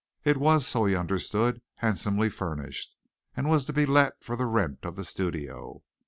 It was, so he understood, handsomely furnished, and was to be let for the rent of the studio.